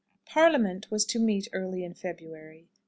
Parliament was to meet early in February.